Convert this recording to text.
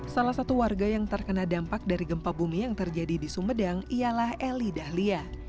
salah satu warga yang terkena dampak dari gempa bumi yang terjadi di sumedang ialah eli dahlia